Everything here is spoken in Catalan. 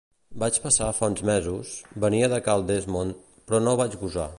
Vaig passar fa uns mesos, venia de cal Dessmond, però no vaig gosar.